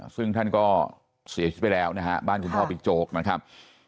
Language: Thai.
ซึ่งท่านก็เสียชีวิตไปแล้วนะฮะบ้านคุณพ่อบิ๊กโจ๊กนะครับ